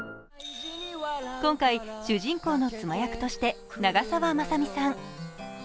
今回、主人公の妻役として長澤まさみさん。